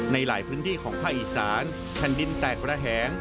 ในหลายพื้นที่ของภาคอีสานแผ่นดินแตกระแหง